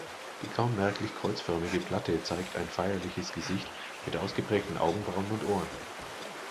Die kaum merklich kreuzförmige Platte zeigt ein feierliches Gesicht mit ausgeprägten Augenbrauen und Ohren.